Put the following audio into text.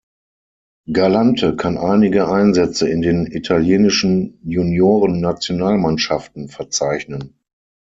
Galante kann einige Einsätze in den italienischen Juniorennationalmannschaften verzeichnen.